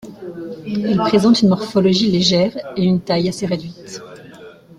Il présente une morphologie légère et une taille assez réduite.